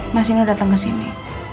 mas nino dateng kesini